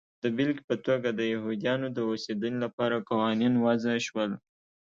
د بېلګې په توګه د یهودیانو د اوسېدنې لپاره قوانین وضع شول.